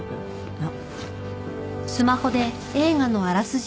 あっ。